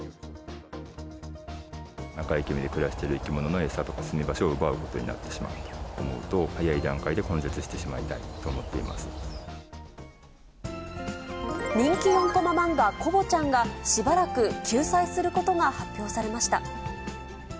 中池見で暮らしている生き物の餌とか住み場所を奪うことになってしまうと思うと、早い段階で根絶してしまいたいと思っていま人気４コマ漫画、コボちゃんが、しばらく休載することが発表されました。